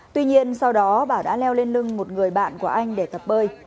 tuy nhiên sau đó bảo đã leo lên lưng một người bạn của anh để tập bơi